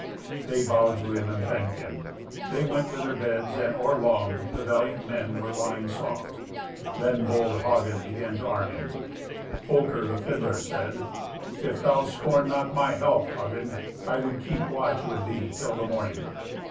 They bowed to him and thanked him. They went to their beds, and, or long, the valiant men were lying soft. Then bold Hagen began to arm him. Folker the fiddler said, "If thou scorn not my help, Hagen, I would keep watch with thee till the morning."